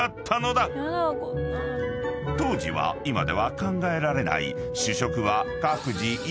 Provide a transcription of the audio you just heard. ［当時は今では考えられない］